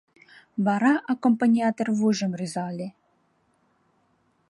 Вара аккомпаниатор вуйжым рӱзале.